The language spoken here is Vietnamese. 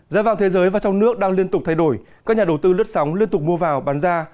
giá vàng thế giới và trong nước đang liên tục thay đổi các nhà đầu tư lướt sóng liên tục mua vào bán ra